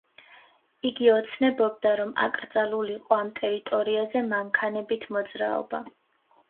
იგი ოცნებობდა, რომ აკრძალულიყო ამ ტერიტორიაზე მანქანებით მოძრაობა.